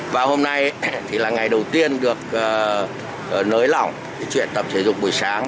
và hôm nay thì là ngày đầu tiên được nới lỏng cái chuyện tập thể dục buổi sáng